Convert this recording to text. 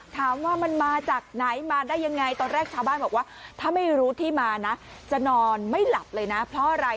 ถามว่ามันมาจากไหนมาได้ยังไงตอนแรกชาวบ้านบอกว่าถ้าไม่รู้ที่มานะจะนอนไม่หลับเลยนะเพราะอะไร